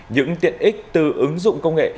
những tiện ích từ ứng dụng công nghệ